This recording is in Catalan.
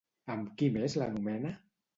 Amb qui més l'anomena?